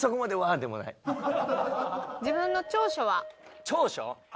自分の長所は？長所？